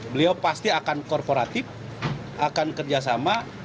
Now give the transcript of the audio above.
beliau pasti akan korporatif akan kerjasama